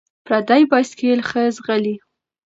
ـ پردى بايسکل ښه ځغلي.